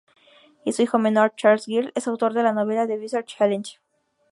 Y su hijo menor, Charles Gill, es autor de la novela "The Boozer Challenge".